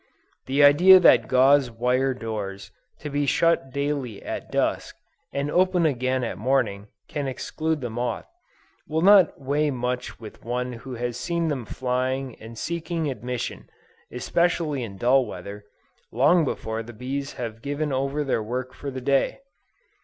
The idea that gauze wire doors, to be shut daily at dusk, and opened again at morning, can exclude the moth, will not weigh much with one who has seen them flying and seeking admission, especially in dull weather, long before the bees have given over their work for the day.